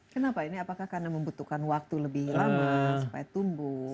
kenapa ini apakah karena membutuhkan waktu lebih lama supaya tumbuh